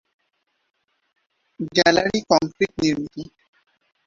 Gallery concrete নির্মিত।